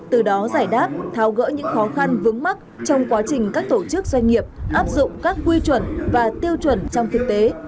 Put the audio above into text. từ đó giải đáp tháo gỡ những khó khăn vướng mắt trong quá trình các tổ chức doanh nghiệp áp dụng các quy chuẩn và tiêu chuẩn trong thực tế